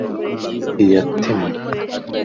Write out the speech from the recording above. iyatemwe